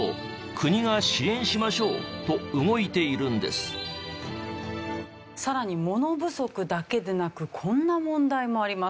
さらに物不足だけでなくこんな問題もあります。